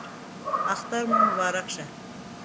اختر مو مبارک شه